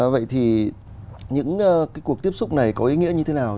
vậy thì những cuộc tiếp xúc này có ý nghĩa như thế nào